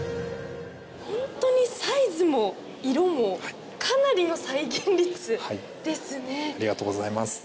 本当にサイズも色もかなりの再現率ですね。